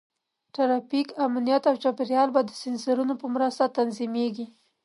ټرافیک، امنیت، او چاپېریال به د سینسرونو په مرسته تنظیمېږي.